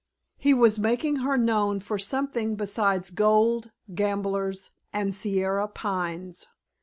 He was making her known for something besides gold, gamblers, and Sierra pines.